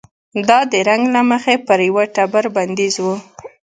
دا د رنګ له مخې پر یوه ټبر بندیز و.